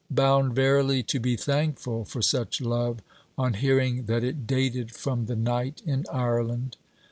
Bound verily to be thankful for such love, on hearing that it dated from the night in Ireland....